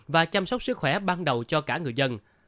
và chăm sóc sức khỏe ban đầu cho cả người dân